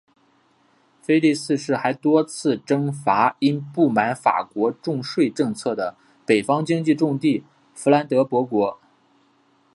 腓力四世还多次征伐因不满法国重税政策的北方经济重地佛兰德伯国。